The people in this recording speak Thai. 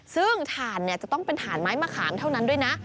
ซึ่งถ่านจะต้องเป็นถ่านไม้มะขามเท่านั้นด้วยนะ